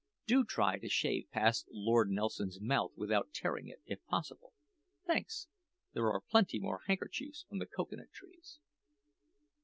Do try to shave past Lord Nelson's mouth without tearing it, if possible! Thanks. There are plenty more handkerchiefs on the cocoa nut trees."